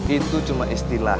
itu cuma istilah